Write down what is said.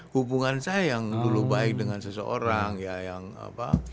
hubungan saya yang dulu baik dengan seseorang ya yang apa